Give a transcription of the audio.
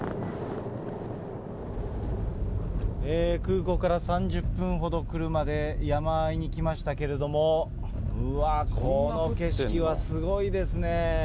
空港から３０分ほど車で山あいに来ましたけれども、うわっ、この景色はすごいですね。